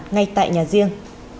ngay tại nhà riêng